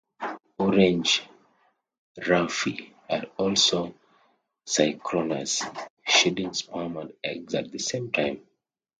Orange roughy are also synchronous, shedding sperm and eggs at the same time.